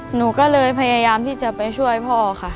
หนูก็เลยพยายามที่จะไปช่วยพ่อค่ะ